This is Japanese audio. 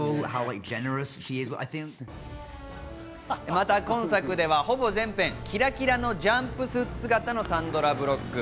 また今作では、ほぼ全編、キラキラのジャンプスーツ姿のサンドラ・ブロック。